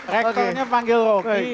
rektornya panggil roki